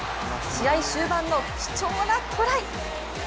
試合終盤の貴重なトライ。